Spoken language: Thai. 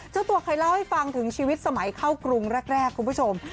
เจ้าตัวเคยเล่าให้ฟังถึงชีวิตสมัยเข้ากรุงแรกคุณผู้ชม